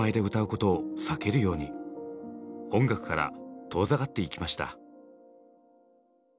音楽から遠ざかっていきました。